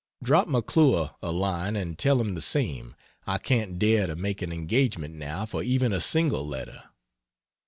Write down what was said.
Drop McClure a line and tell him the same. I can't dare to make an engagement now for even a single letter.